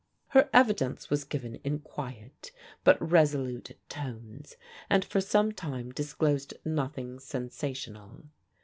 Her evidence was given in quiet but resolute tones, and for some time disclosed nothing sensational.